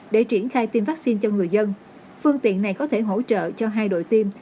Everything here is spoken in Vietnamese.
để triển khai tiêm vaccine cho người dân phương tiện này có thể hỗ trợ cho hai đội tiêm